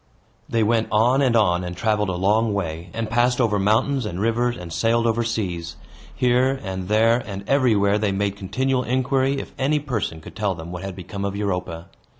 They went on and on, and traveled a long way, and passed over mountains and rivers, and sailed over seas. Here, and there, and everywhere, they made continual inquiry if any person could tell them what had become of Europa.